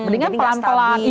jadi nggak stabil